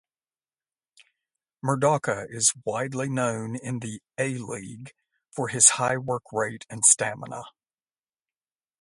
Murdocca is widely known in the A-League for his high work rate and stamina.